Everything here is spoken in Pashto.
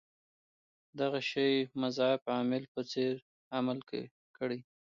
دغه شي مضاعف عامل په څېر عمل کړی.